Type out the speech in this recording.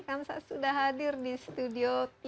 kan sudah hadir di studio